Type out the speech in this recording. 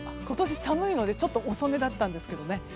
今年、寒いので、ちょっと遅めだったんですけどね。